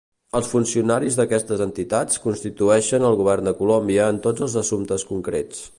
Els funcionaris d'aquestes entitats constitueixen el Govern de Colòmbia en tots els assumptes concrets.